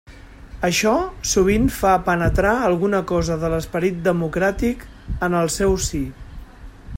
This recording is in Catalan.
Això sovint fa penetrar alguna cosa de l'esperit democràtic en el seu si.